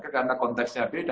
karena konteksnya beda